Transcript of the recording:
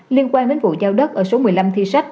liên quan đến vụ giao đất ở số một mươi năm thi sách